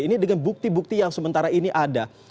ini dengan bukti bukti yang sementara ini ada